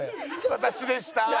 「私でした」。